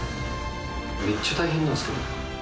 めっちゃ大変なんですけど。